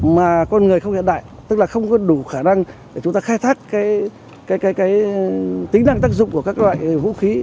mà con người không hiện đại tức là không có đủ khả năng để chúng ta khai thác cái tính năng tác dụng của các loại vũ khí